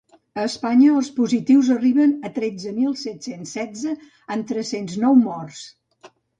A Espanya els positius arriben a tretze mil set-cents setze, amb tres-cents nou morts.